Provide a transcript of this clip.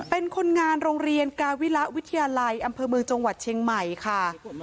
เป็นคนงานโรงเรียนกาวิระวิทยาลัยอำเภอเมืองจังหวัดเชียงใหม่ค่ะ